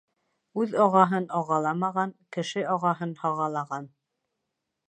Үҙ ағаһын ағаламаған, кеше ағаһын һағалаған.